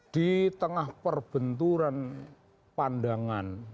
di tengah perbenturan pandangan